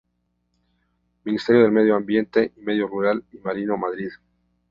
Ministerio de Medio Ambiente y Medio Rural y Marino, Madrid.